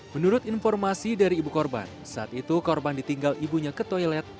menurut informasi dari ibu korban saat itu korban ditinggal ibunya ke toilet